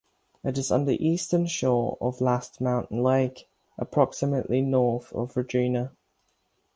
It is on the eastern shore of Last Mountain Lake approximately north of Regina.